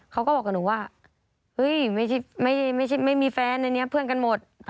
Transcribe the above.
เขาก็บอกกับหนูว่าไม่มีแฟนเพื่อนกันหมด